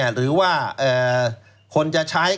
หรือว่าคนจะใช้